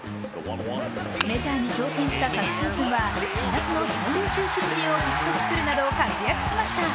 メジャーに挑戦した昨シーズンは４月の最優秀新人を獲得するなど活躍しました。